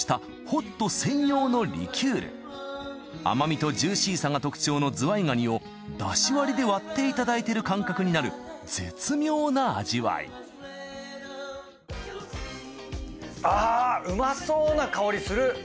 甘みとジューシーさが特徴のズワイガニをだし割りで割っていただいてる感覚になる絶妙な味わいあっうまそうな香りする。